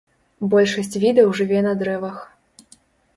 Большасць відаў жыве на дрэвах.